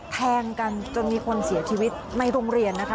แทงกันจนมีคนเสียชีวิตในโรงเรียนนะคะ